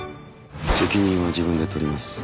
「責任は自分で取ります」